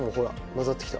混ざってきた。